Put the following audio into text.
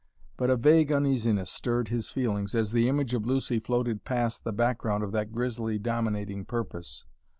But a vague uneasiness stirred his feelings as the image of Lucy floated past the background of that grisly, dominating purpose.